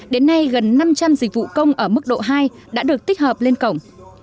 đến nay gần năm trăm linh dịch vụ công ở mức độ hai đã được tích hợp lên cổng